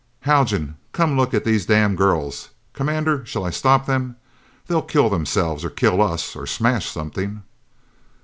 "Haljan, come look at these damn girls! Commander shall I stop them? They'll kill themselves, or kill us or smash something!"